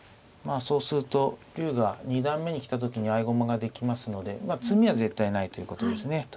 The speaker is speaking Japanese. そうすると竜が二段目に来た時に合駒ができますので詰みは絶対ないということですね。